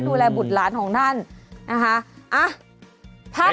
ดูแลบุตรหลานของท่านนะคะ